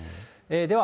では。